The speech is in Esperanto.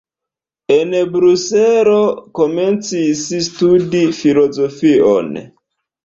En Bruselo komencis studi filozofion.